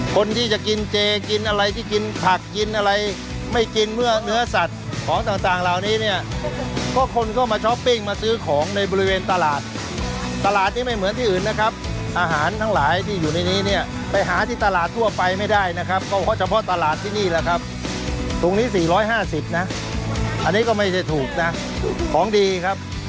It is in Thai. คนที่จะกินเจกินอะไรที่กินผักกินอะไรไม่กินเมื่อเนื้อสัตว์ของต่างเหล่านี้เนี่ยก็คนก็มาช้อปปิ้งมาซื้อของในบริเวณตลาดตลาดนี้ไม่เหมือนที่อื่นนะครับอาหารทั้งหลายที่อยู่ในนี้เนี่ยไปหาที่ตลาดทั่วไปไม่ได้นะครับก็เพราะเฉพาะตลาดที่นี่แหละครับตรงนี้๔๕๐นะอันนี้ก็ไม่ได้ถูกนะของดีครับ